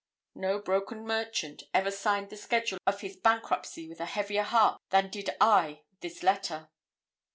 No broken merchant ever signed the schedule of his bankruptcy with a heavier heart than did I this letter.